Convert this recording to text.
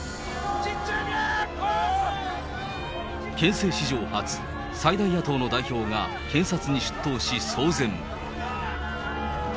憲政史上初、最大野党の代表が検察に出頭し、騒然。